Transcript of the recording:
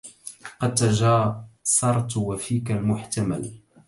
قد تجاسرت وفيك المحتمل